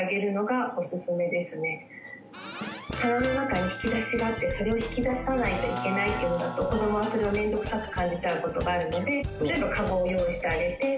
棚の中に引き出しがあってそれを引き出さないといけないようだと子どもはそれを面倒くさく感じちゃう事があるので例えばカゴを用意してあげて。